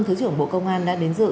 thứ trưởng bộ công an đã đến dự